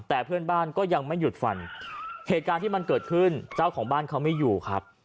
แต่เพื่อนบ้านก็ยังไม่หยุดฟันเหตุการณ์ที่มันเกิดขึ้นเจ้าของบ้านเขาไม่อยู่ครับ